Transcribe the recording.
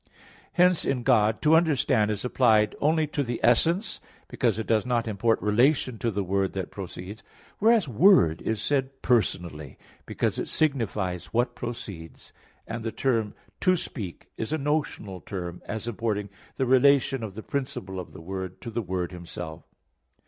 Hence in God, "to understand" is applied only to the essence; because it does not import relation to the Word that proceeds; whereas "Word" is said personally, because it signifies what proceeds; and the term "to speak" is a notional term as importing the relation of the principle of the Word to the Word Himself.